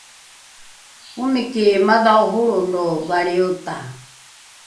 omiki madhao holrolo valriota